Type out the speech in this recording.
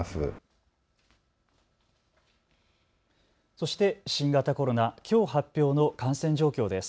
そして新型コロナ、きょう発表の感染状況です。